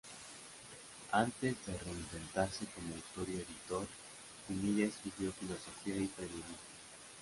Antes de reinventarse como autor y editor, Pinilla estudió Filosofía y Periodismo.